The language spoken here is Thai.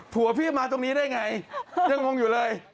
ผัวพี่มาตรงนี้ได้ไงยังงงอยู่เลย